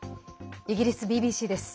イギリスＢＢＣです。